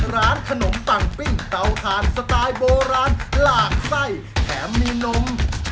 ร้านตู้แก้อวกาศอร่อยเชียบ